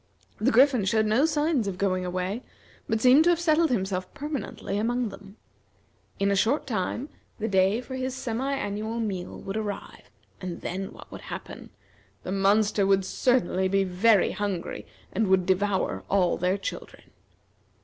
The Griffin showed no signs of going away, but seemed to have settled himself permanently among them. In a short time, the day for his semi annual meal would arrive, and then what would happen? The monster would certainly be very hungry, and would devour all their children.